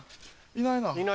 いないね。